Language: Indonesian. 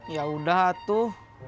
ya udah tuh